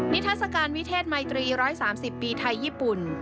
นิทรัศการวิเทศไมตรี๑๓๐ปีไทยญี่ปุ่น